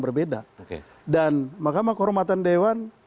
berbeda dan mahkamah kehormatan dewan